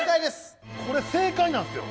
これ正解なんですよ。